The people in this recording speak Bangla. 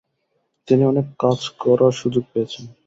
তিনি অনেক কাজ করার সুযোগ পেয়েছেন।